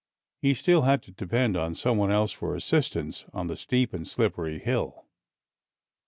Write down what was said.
He still had to depend on someone else for assistance on the steep and slippery hill.